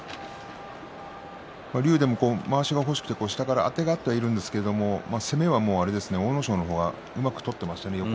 竜電も、まわしが欲しくて下からあてがってはいるんですが攻めは阿武咲がうまく取っていましたね。